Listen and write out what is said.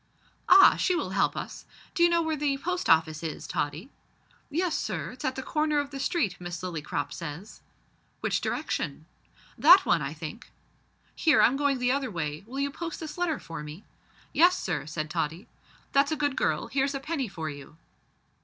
"Ah! she will help us. D'you know where the Post Office is, Tottie?" "Yes, sir, it's at the corner of the street, Miss Lillycrop says." "Which direction?" "That one, I think." "Here, I'm going the other way: will you post this letter for me?" "Yes, sir," said Tottie. "That's a good girl; here's a penny for you."